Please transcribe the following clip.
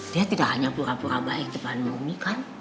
dia tidak hanya pura pura baik depan bumi kan